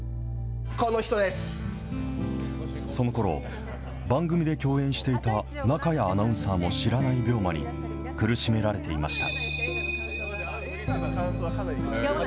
そのころ、番組で共演していた中谷アナウンサーも知らない病魔に苦しめられていました。